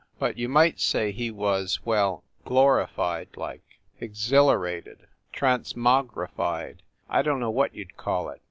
But you might say he was well glorified, like. Exhilarated transmogrified I don t know what you d call it.